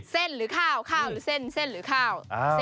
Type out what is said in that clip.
หรือข้าวข้าวหรือเส้นหรือข้าว